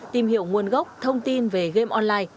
tìm hiểu nguồn gốc thông tin về game online